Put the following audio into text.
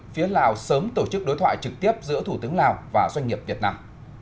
phía lào sớm tổ chức đối thoại trực tiếp giữa thủ tướng lào và doanh nghiệp việt nam